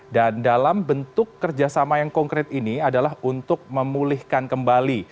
dan dalam bentuk kerjasama yang konkret ini adalah untuk memulihkan kembali